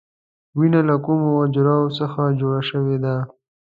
وینه له کومو اجزاوو څخه جوړه شوې ده؟